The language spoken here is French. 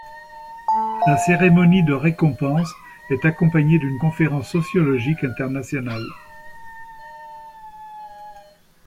La cérémonie de récompense est accompagnée d'une conférence sociologique internationale.